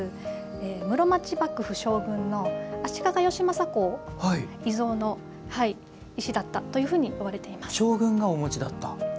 室町幕府将軍の足利義政公秘蔵の石だったというふうにいわれています。